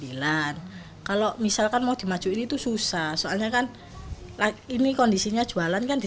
kalau misalkan mau dimajuin itu susah soalnya kan ini kondisinya jualan kan di